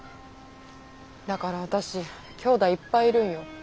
だから私きょうだいいっぱいいるんよ。